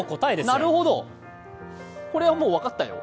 なるほど、これはもう分かったよ。